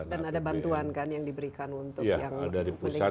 dan ada bantuan kan yang diberikan untuk yang menikah kerusakan